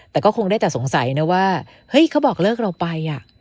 แต่ก็คงได้แต่สงสัยนะว่าเฮ้ยเขาบอกเลิกเราไป